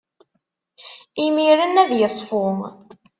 Imiren ad iṣfu.